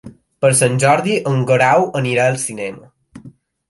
Per Sant Jordi en Guerau anirà al cinema.